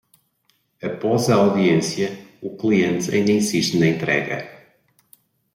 Após a audiência, o cliente ainda insiste na entrega.